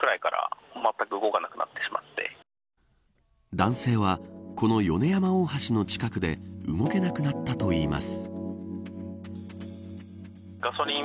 男性は、この米山大橋の近くで動けなくなったといいます。